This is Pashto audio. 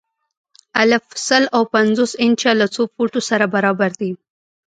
الف: سل او پنځوس انچه له څو فوټو سره برابر دي؟